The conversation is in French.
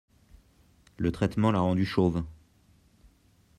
Le traitement l'a rendu chauve.